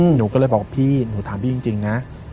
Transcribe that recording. หนูก็เลยบอกพี่หนูถามพี่จริงนะ